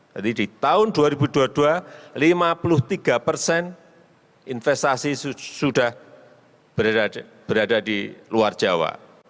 jadi di tahun dua ribu dua puluh dua lima puluh tiga persen investasi sudah berada di luar jawa